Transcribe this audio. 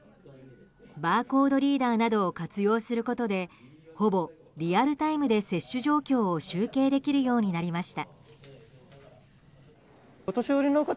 バーコードリーダーなどを活用することでほぼリアルタイムで接種状況を集計できるようになりました。